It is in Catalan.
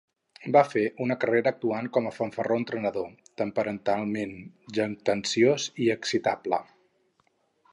Va fer una carrera actuant com a fanfarró entremetedor, temperamental, jactanciós i excitable.